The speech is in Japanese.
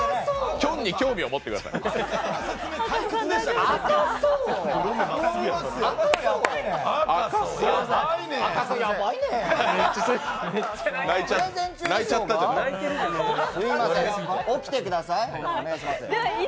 きょんに興味を持ってください。